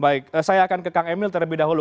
baik saya akan ke kang emil terlebih dahulu